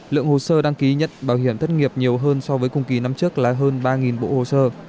lượng hồ sơ đăng ký nhận bảo hiểm thất nghiệp nhiều hơn so với cùng kỳ năm trước là hơn ba bộ hồ sơ